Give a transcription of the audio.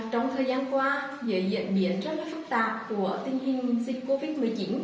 trong thời gian qua dưới diễn biến rất phức tạp của tình hình dịch covid một mươi chín